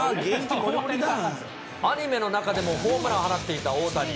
アニメの中でもホームランを放っていた大谷。